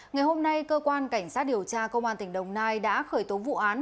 ngày hôm nay cơ quan cảnh sát điều tra công an tỉnh đồng nai đã khởi tố vụ án